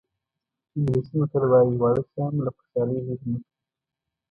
انګلیسي متل وایي واړه شیان مو له خوشحالۍ لرې مه کړي.